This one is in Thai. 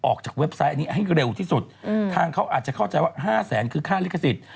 เว็บไซต์อันนี้ให้เร็วที่สุดทางเขาอาจจะเข้าใจว่าห้าแสนคือค่าลิขสิทธิ